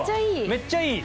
めっちゃいい？